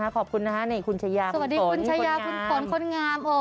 ขอบคุณนะครับคุณชะยาคุณฝนคุณงาม